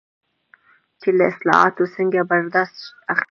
چې له اصطلاحاتو څنګه برداشت اخلي.